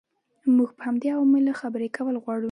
موږ په همدې عواملو خبرې کول غواړو.